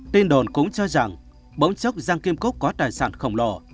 tin đồn cũng cho rằng bỗng chốc giang kim cốc có tài sản khổng lồ